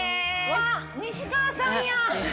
わあ西川さんや！